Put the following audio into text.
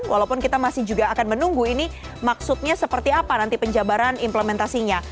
walaupun kita masih juga akan menunggu ini maksudnya seperti apa nanti penjabaran implementasinya